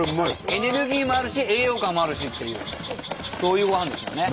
エネルギーもあるし栄養価もあるしっていうそういうごはんですよね。